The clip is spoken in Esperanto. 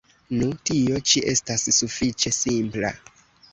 Nu, tio ĉi estas sufiĉe simpla.